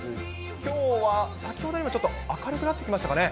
きょうは先ほどよりもちょっと明るくなってきましたかね。